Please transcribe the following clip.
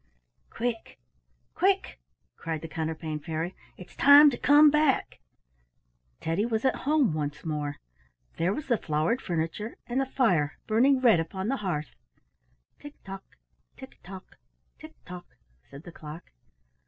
"Quick! quick!" cried the Counterpane Fairy. "It's time to come back." Teddy was at home once more. There was the flowered furniture, and the fire burning red upon the hearth. "Tick tock! tick tock! tick tock!" said the clock.